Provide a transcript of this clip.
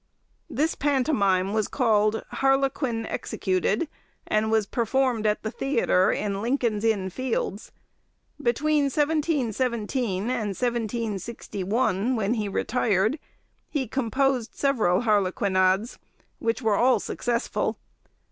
This pantomime was called 'Harlequin Executed,' and was performed at the theatre in Lincoln's Inn Fields. Between 1717 and 1761, when he retired, he composed several harlequinades, which were all successful.